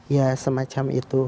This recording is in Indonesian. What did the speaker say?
ya semacam itu